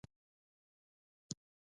د سرحداتو نظریه پخوا ردېده.